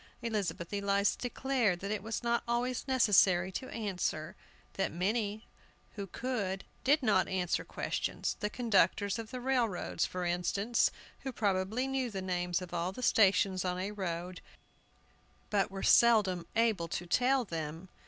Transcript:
Elizabeth Eliza declared that it was not always necessary to answer; that many who could did not answer questions, the conductors of the railroads, for instance, who probably knew the names of all the stations on a road, but were seldom able to tell them.